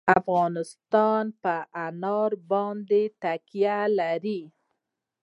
افغانستان په انار باندې تکیه لري.